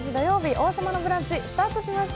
「王様のブランチ」スタートしました。